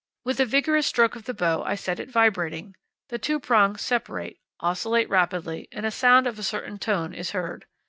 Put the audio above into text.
With a vigorous stroke of the bow I set it vibrating. The two prongs separate, oscillate rapidly, and a sound of a certain tone is heard.